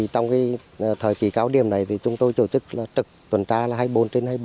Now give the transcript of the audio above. trong thời kỳ cao điểm này chúng tôi chủ trực tuần tra hai mươi bốn trên hai mươi bốn